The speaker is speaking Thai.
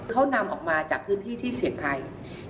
เขานำออกมาจากพื้นที่ที่เสี่ยงภัย